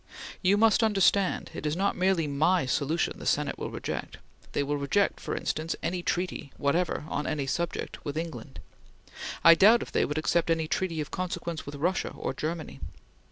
You must understand, it is not merely my solution the Senate will reject. They will reject, for instance, any treaty, whatever, on any subject, with England. I doubt if they would accept any treaty of consequence with Russia or Germany.